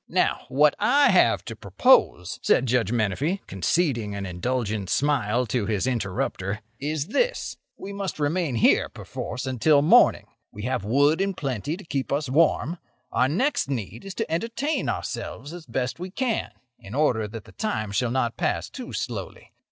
"Now, what I have to propose," said Judge Menefee, conceding an indulgent smile to his interrupter, "is this: We must remain here, perforce, until morning. We have wood in plenty to keep us warm. Our next need is to entertain ourselves as best we can, in order that the time shall not pass too slowly.